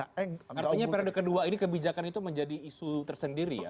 artinya periode kedua ini kebijakan itu menjadi isu tersendiri ya